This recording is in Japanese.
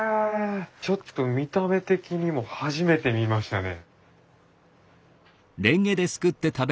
ちょっと見た目的にも初めて見ましたね。